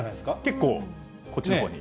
結構、こっちのほうに。